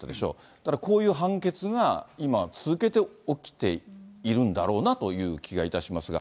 だから、こういう判決が今、続けて起きているんだろうなという気がいたしますが。